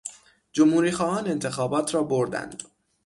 جمهوریخواهان انتخابات را بردند.